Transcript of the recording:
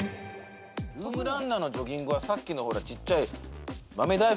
ルームランナーのジョギングはさっきのちっちゃい豆大福